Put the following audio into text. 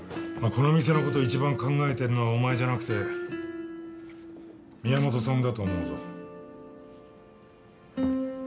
この店のこと一番考えてるのはお前じゃなくて宮本さんだと思うぞ